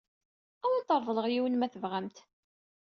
Ad awent-reḍleɣ yiwen ma tebɣamt.